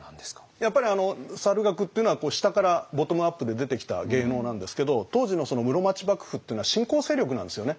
やっぱり猿楽っていうのは下からボトムアップで出てきた芸能なんですけど当時の室町幕府っていうのは新興勢力なんですよね。